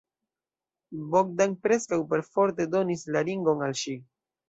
Bogdan preskaŭ perforte donis la ringon al ŝi.